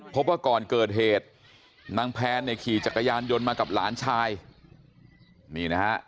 พบว่าก่อนเกิดเหตุนางแพนเนี่ยขี่จักรยานยนต์มากับหลานชายนี่นะฮะ